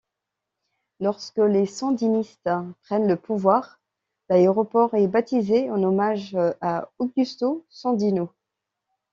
Lorsque les Sandinistes prennent le pouvoir, l'aéroport est baptisé en hommage à Augusto Sandino.